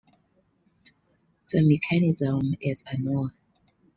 The mechanism is unknown.